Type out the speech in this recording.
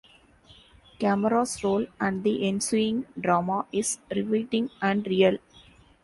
Cameras roll and the ensuing drama is riveting and real.